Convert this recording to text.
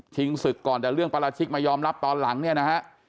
ศึกก่อนแต่เรื่องปราชิกมายอมรับตอนหลังเนี่ยนะฮะ